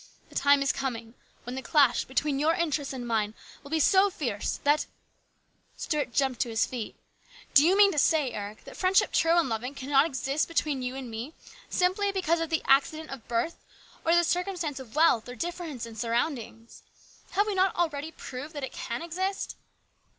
The time is coming when the clash between your interests and mine will be so fierce that Stuart jumped to his feet. " Do you mean to say, Eric, that friendship true and loving cannot exist be tween you and me simply because of the accident of birth, or the circumstance of wealth, or difference in surroundings ? Have we not already proved that it can exist